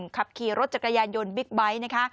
ขับขี่รถจักรยานยนต์บิ๊กไบท์นะคะ